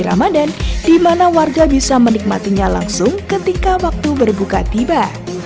ramadhan di mana warga bisa menikmatinya langsung ketika waktu berbuka tiba